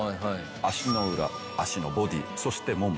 足の裏足のボディーそしてもも。